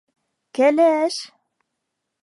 Кәлә-әш!